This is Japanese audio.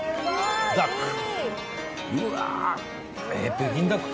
北京ダックだ！